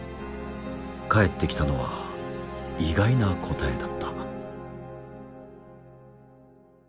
返ってきたのは意外な答えだった。